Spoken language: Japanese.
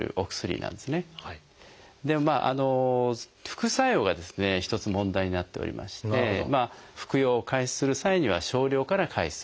副作用がですね一つ問題になっておりまして服用を開始する際には少量から開始するということが大事。